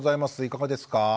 いかがですか？